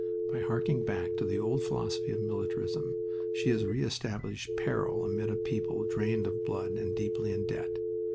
By harking back to the old philosophy of militarism she has re established peril amid a people drained of blood and deeply in debt.